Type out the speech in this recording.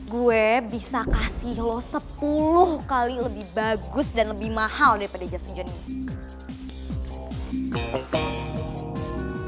gue bisa kasih loh sepuluh kali lebih bagus dan lebih mahal daripada jas hujan ini